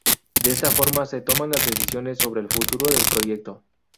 De esta forma se toman las decisiones sobre el futuro del proyecto.